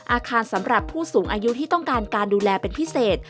สำหรับผู้สูงอายุที่ต้องการการดูแลเป็นพิเศษ